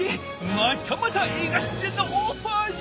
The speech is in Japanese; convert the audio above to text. またまた映画出演のオファーじゃ！